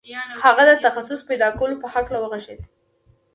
هغه د تخصص پیدا کولو په هکله وغږېد